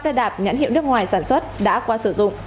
ba xe đạp nhãn hiệu nước ngoài sản xuất đã qua sử dụng